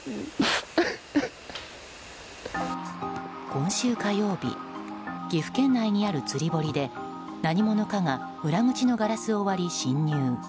今週火曜日岐阜県内にある釣り堀で何者かが裏口のガラスを割り侵入。